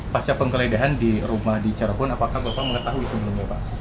pasca penggeledahan di rumah di cirebon apakah bapak mengetahui sebelumnya pak